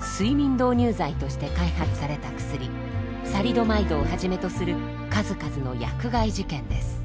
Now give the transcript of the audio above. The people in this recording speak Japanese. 睡眠導入剤として開発された薬サリドマイドをはじめとする数々の薬害事件です。